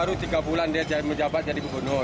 baru tiga bulan dia menjabat jadi gubernur